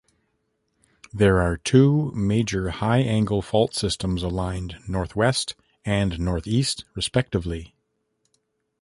There are two major high angle fault systems aligned north-west and north-east respectively.